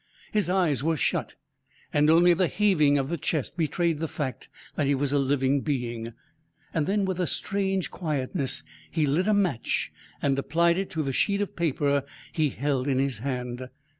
His eyes were shut, and only the heaving of the chest betrayed the fact that he was a living being. Then, with a strange quietness, he lit a match and applied it to the sheet of paper he held in his hand.